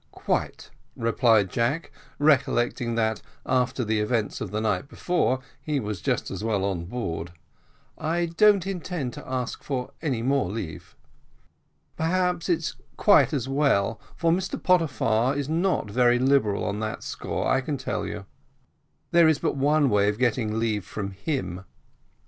"Quite," replied Jack, recollecting that after the events of the night before he was just as well on board; "I don't intend to ask for any more leave." "Perhaps it's quite as well, for Mr Pottyfar is not very liberal on that score, I can tell you; there is but one way of getting leave from him."